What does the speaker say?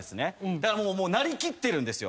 だから成りきってるんですよ。